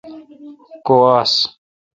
کو آس۔